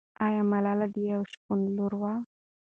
آیا ملالۍ د یوه شپانه لور وه؟